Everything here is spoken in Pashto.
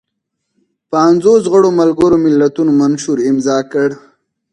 پنځوس غړو ملګرو ملتونو منشور امضا کړ.